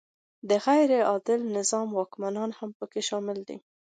د غیر عادل نظام واکمنان هم پکې شامل وي.